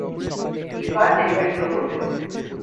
ইরফান ডেলিভারিগুলো করবে।